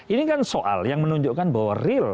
ini kan soal yang menunjukkan bahwa real